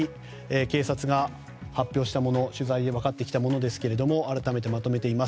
警察が発表したもの取材で分かってきたものですが改めてまとめています。